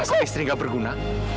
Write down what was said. dasar istri gak berguna